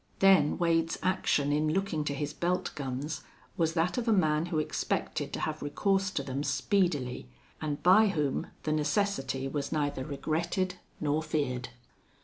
Then Wade's action in looking to his belt guns was that of a man who expected to have recourse to them speedily and by whom the necessity was neither regretted nor feared.